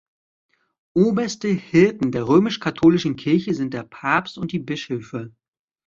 Oberste Hirten der römisch-katholischen Kirche sind der Papst und die Bischöfe.